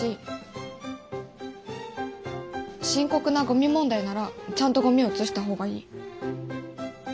深刻なゴミ問題ならちゃんとゴミを写した方がいい。